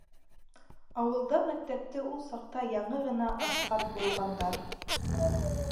Ауылда мәктәпте ул саҡта яңы ғына асҡан булғандар.